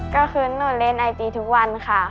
ก็คือหนูเล่นไอจีทุกวันค่ะ